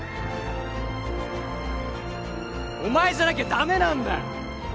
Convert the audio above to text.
お前じゃなきゃダメなんだよ！